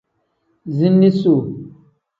Ziini suu.